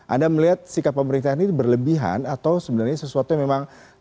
anda melihat sikap pemerintah ini berlebihan atau sebenarnya sesuatu yang memang